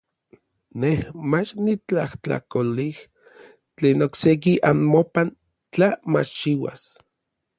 Nej mach nitlajtlakolej tlen okseki anmopan tla machchiuas.